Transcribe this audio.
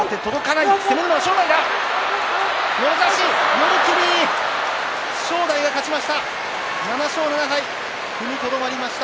寄り切り正代が勝ちました。